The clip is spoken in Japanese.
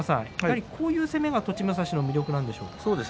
こういう攻めが栃武蔵の魅力なんでしょうか。